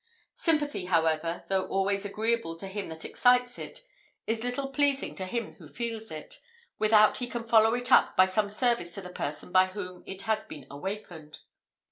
Sympathy, however, though always agreeable to him that excites it, is little pleasing to him who feels it, without he can follow it up by some service to the person by whom it has been awakened.